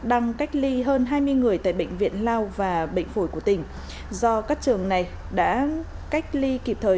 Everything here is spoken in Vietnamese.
đang cách ly hơn hai mươi người tại bệnh viện lao và bệnh phổi của tỉnh do các trường này đã cách ly kịp thời